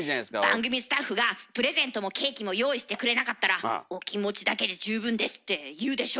番組スタッフがプレゼントもケーキも用意してくれなかったら「お気持ちだけで十分です」って言うでしょ？